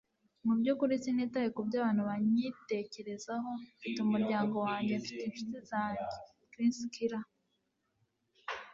mu byukuri sinitaye kubyo abantu banyitekerezaho. mfite umuryango wanjye. mfite inshuti zanjye. - chris kyle